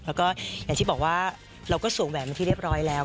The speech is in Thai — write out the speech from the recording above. แล้วก็อย่างที่บอกว่าเราก็สวมแหวนเป็นที่เรียบร้อยแล้ว